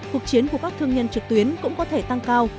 cuộc chiến của các thương nhân trực tuyến cũng có thể tăng cao